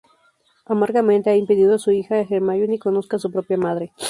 Amargamente, ha impedido a su hija, Hermíone, conozca a su propia madre.